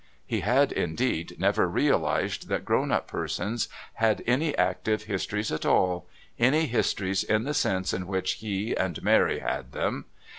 He had, indeed, never realised that grown up persons had any active histories at all, any histories in the sense in which he and Mary had them.